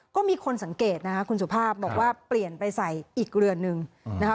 ก็มีคนสังเกตนะคะคุณสุภาพบอกว่าเปลี่ยนไปใส่อีกเรือนนึงนะคะ